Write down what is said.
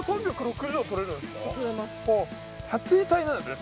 撮影隊なんですね。